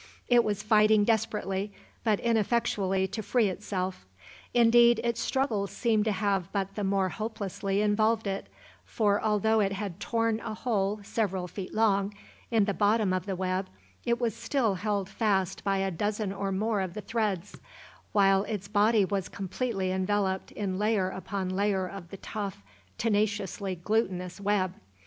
It was fighting desperately but ineffectually to free itself; indeed its struggles seemed to have but the more hopelessly involved it, for although it had torn a hole several feet long in the bottom of the web it was still held fast by a dozen or more of the threads, while its body was completely enveloped in layer upon layer of the tough, tenaciously glutinous web.